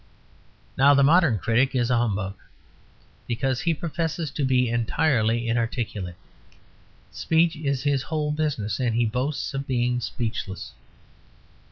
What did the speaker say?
Now the modern critic is a humbug, because he professes to be entirely inarticulate. Speech is his whole business; and he boasts of being speechless.